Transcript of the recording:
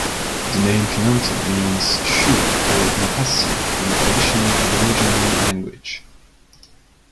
The name Pinantan means shoe or moccasin in traditional Aboriginal language.